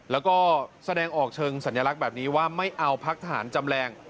แล้วก็แสดงออกเชิงสัญลักษณ์แบบนี้ว่าไม่เอาพักทหารจำแรง